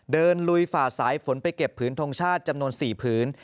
ลุยฝ่าสายฝนไปเก็บผืนทงชาติจำนวน๔ผืน